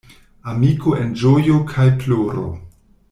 Amiko en ĝojo kaj ploro.